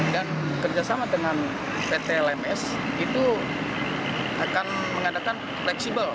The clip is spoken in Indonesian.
dan kerjasama dengan pt lms itu akan mengadakan fleksibel